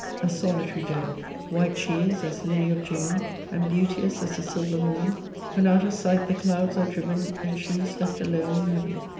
A solitary Doe! White she is as lily of June, And beauteous as the silver moon When out of sight the clouds are driven And she is left alone in heaven!